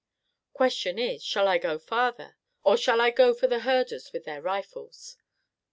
Question is, shall I go farther, or shall I go for the herders with their rifles?"